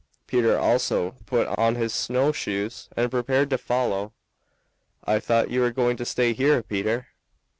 Peter also put on his snow shoes and prepared to follow. "I thought you were going to stay here, Peter."